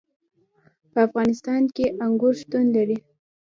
په افغانستان کې انګور شتون لري.